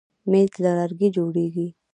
مېز له لرګي جوړېږي.